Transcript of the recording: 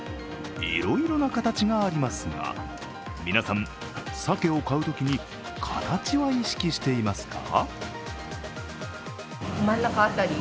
いろいろな形がありますが、皆さん、さけを買うときに、形は意識していますか？